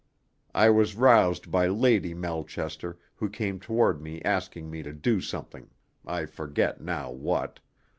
I was roused by Lady Melchester, who came toward me asking me to do something, I forget now what.